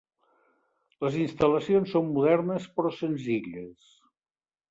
Les instal·lacions són modernes però senzilles.